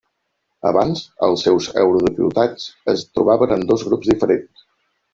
Abans, els seus eurodiputats es trobaven en dos grups diferents.